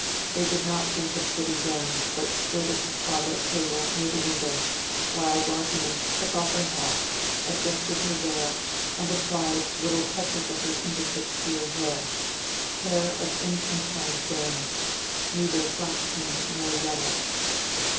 They did not think of sitting down, but stood at the toilet table near the window while Rosamond took off her hat, adjusted her veil, and applied little touches of her finger tips to her hair—hair of infantine fairness, neither flaxen nor yellow.